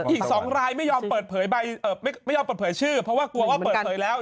อีก๒รายไม่ยอมเปิดเผยชื่อเพราะว่ากลัวว่าเปิดเผยแล้ว